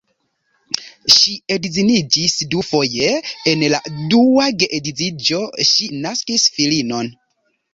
Ŝi edziniĝis dufoje, en la dua geedziĝo ŝi naskis filinon.